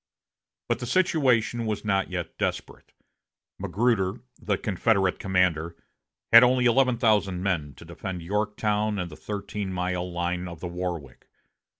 But the situation was not yet desperate. Magruder, the Confederate commander, had only eleven thousand men to defend Yorktown and the thirteen mile line of the Warwick.